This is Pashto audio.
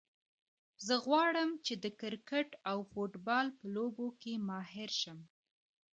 زه غواړم چې د کرکټ او فوټبال په لوبو کې ماهر شم